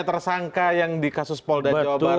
tersangka yang di kasus paul dacobara itu terkait ini berarti